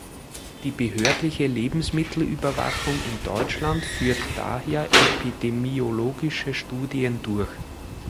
Die Behördliche Lebensmittelüberwachung in Deutschland führt daher epidemiologische Studien durch.